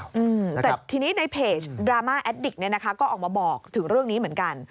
แอดดิกก็ออกมาบอกถึงเรื่องนี้เหมือนกัน